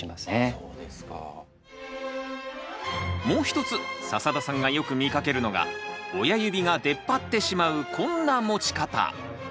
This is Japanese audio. もう一つ笹田さんがよく見かけるのが親指が出っ張ってしまうこんな持ち方。